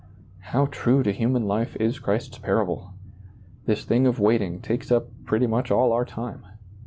How true to human life is Christ's parable ! This thing of waiting takes up pretty much all our time.